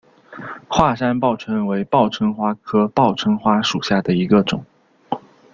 华山报春为报春花科报春花属下的一个种。